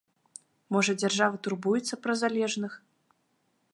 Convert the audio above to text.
Можа, дзяржава турбуецца пра залежных?